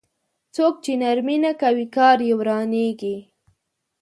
څوک چې نرمي نه کوي کار يې ورانېږي.